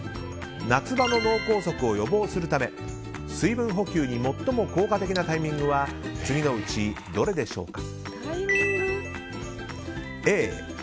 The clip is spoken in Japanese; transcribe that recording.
夏場の脳梗塞を予防するため水分補給に最も効果的なタイミングは次のうちどれでしょうか？